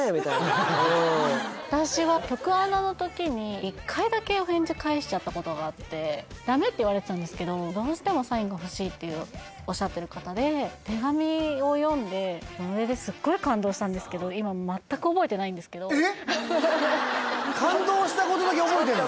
私は局アナの時に一回だけお返事返しちゃったことがあってダメって言われてたんですけど「どうしてもサインが欲しい」っておっしゃってる方で手紙を読んでそれで感動したことだけ覚えてるの？